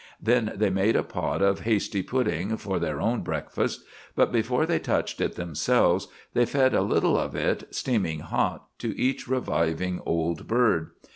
Then they made a pot of hasty pudding for their own breakfast; but before they touched it themselves they fed a little of it, steaming hot, to each reviving old bird.